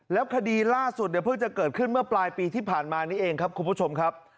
แล้วคดีล่าสุดเนี่ยเพิ่งจะเกิดขึ้นเมื่อปลายปีที่ผ่านมานี้เองครับคุณผู้ชมครับ